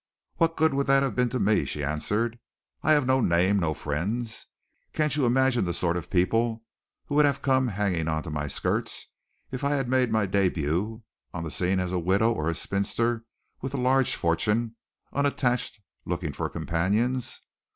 "What good would that have been to me?" she answered. "I have no name, no friends. Can't you imagine the sort of people who would have come hanging on to my skirts, if I had made my début on the scene as a widow or a spinster with a large fortune, unattached, looking for companions?